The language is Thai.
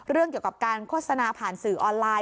เรื่องเกี่ยวกับการโฆษณาผ่านสื่อออนไลน